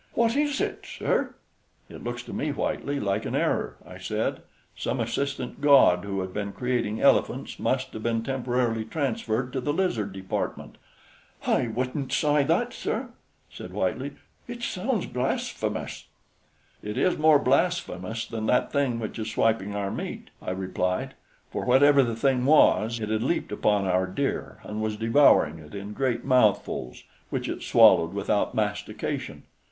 "Wot is hit, sir?" "It looks to me, Whitely, like an error," I said; "some assistant god who had been creating elephants must have been temporarily transferred to the lizard department." "Hi wouldn't s'y that, sir," said Whitely; "it sounds blasphemous." "It is no more blasphemous than that thing which is swiping our meat," I replied, for whatever the thing was, it had leaped upon our deer and was devouring it in great mouthfuls which it swallowed without mastication.